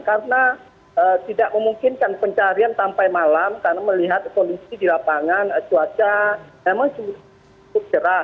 karena tidak memungkinkan pencarian sampai malam karena melihat kondisi di lapangan cuaca memang cukup cerah